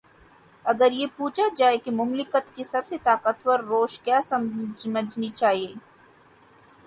اگر یہ پوچھا جائے کہ مملکت کی سب سے طاقتور روش کیا سمجھنی چاہیے۔